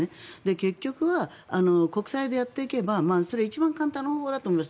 結局は国債でやっていけばそれは一番簡単な方法だと思います。